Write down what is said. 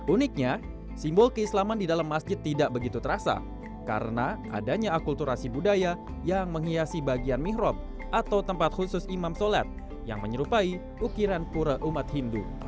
uniknya simbol keislaman di dalam masjid tidak begitu terasa karena adanya akulturasi budaya yang menghiasi bagian mihrab atau tempat khusus imam sholat yang menyerupai ukiran pura umat hindu